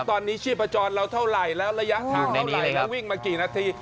ตอนนี้ชีพจรเราเท่าไหร่แล้วระยะทางไหนแล้ววิ่งมากี่นาที